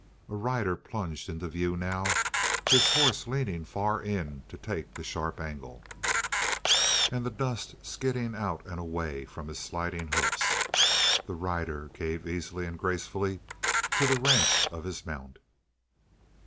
A rider plunged into view now, his horse leaning far in to take the sharp angle, and the dust skidding out and away from his sliding hoofs. The rider gave easily and gracefully to the wrench of his mount.